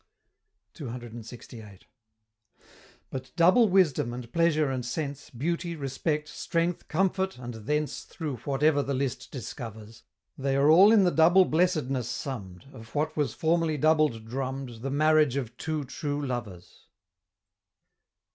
CCLXVIII. But double wisdom, and pleasure, and sense, Beauty, respect, strength, comfort, and thence Through whatever the list discovers, They are all in the double blessedness summ'd, Of what was formerly doubled drumm'd, The Marriage of two true Lovers!